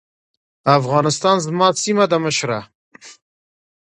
افغانستان زما سيمه ده مشره.